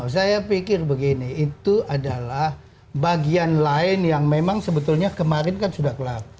saya pikir begini itu adalah bagian lain yang memang sebetulnya kemarin kan sudah kelar